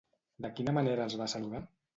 De quina manera els va saludar?